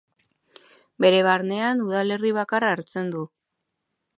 Bere barnean udalerri bakarra hartzen du.